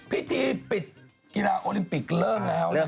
พิธีปิดกีฬาโอลิมปิกเริ่มแล้ว